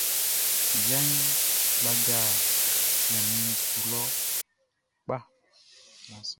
Viaʼn kpadja ɲanmiɛn su lɔ kpa.